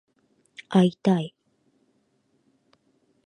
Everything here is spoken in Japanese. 会いたい